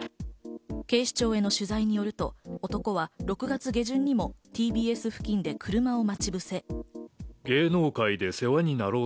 警視庁への取材によると、男は６月下旬にもＴＢＳ付近で車を待ち伏せ。